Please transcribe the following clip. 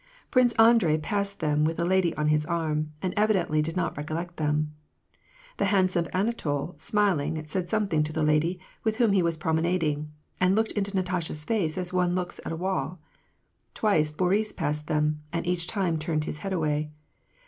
Prince Andrei passed them with a lady on his arm, and evi dently did not recollect them. The handsome Anatol, smiling, said something to the lady with whom he was promenading, and looked into Natasha's face as one looks at a wall. Twice Boris ]|^ed them, and each time turned his head away.